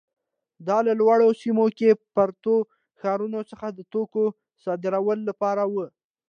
دا له لوړو سیمو کې پرتو ښارونو څخه د توکو صادرولو لپاره وه.